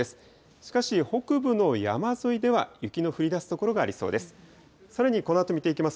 しかし北部の山沿いでは雪の降りだす所がありそうです。